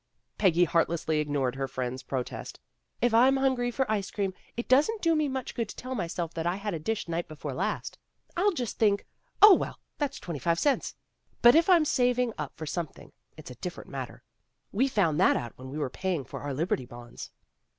Peggy heartlessly ignored her friend's pro test. "If I'm hungry for ice cream, it doesn't do me much good to tell myself that I had a dish night before last. I'll just think, 'Oh, well, what's twenty five cents!' But if I'm saving up for something, it 's a different matter. We found that out when we were paying for our Liberty Bonds."